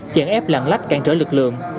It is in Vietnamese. chẳng ép lãng lách cản trở lực lượng